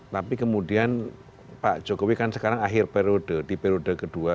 tapi kemudian pak jokowi kan sekarang akhir periode di periode kedua